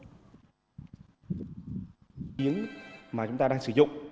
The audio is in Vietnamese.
giếng mà chúng ta đang sử dụng